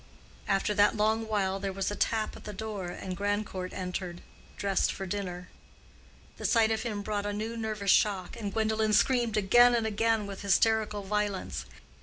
After that long while, there was a tap at the door and Grandcourt entered, dressed for dinner. The sight of him brought a new nervous shock, and Gwendolen screamed again and again with hysterical violence.